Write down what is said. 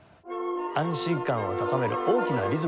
安心感を高める大きなリズムの変化